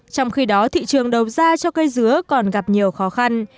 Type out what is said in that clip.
trong khi đó thị trường đầu ra cho cây dứa còn gặp nhiều khó khăn